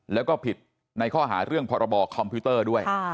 แล้วก็ผิดในข้อหาเรื่องพรบคอมพิวเตอร์ด้วย